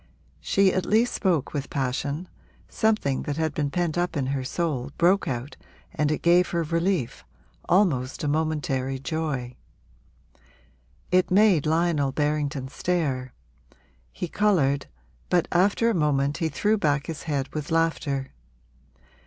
She at least spoke with passion; something that had been pent up in her soul broke out and it gave her relief, almost a momentary joy. It made Lionel Berrington stare; he coloured, but after a moment he threw back his head with laughter.